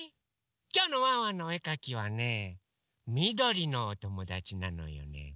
きょうのワンワンのおえかきはねみどりのおともだちなのよね。